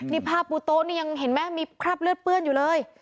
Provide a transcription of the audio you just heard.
นี่ผ้าปูโต๊ะนี่ยังเห็นไหมมีคราบเลือดเปื้อนอยู่เลย